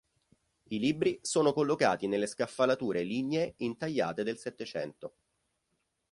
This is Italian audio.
I libri sono collocati nelle scaffalature lignee intagliate del Settecento.